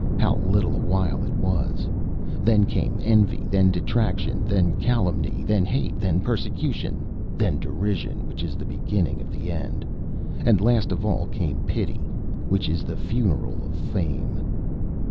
How little a while it was! Then came envy; then detraction; then calumny; then hate; then persecution. Then derision, which is the beginning of the end. And last of all came pity, which is the funeral of fame.